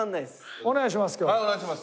お願いします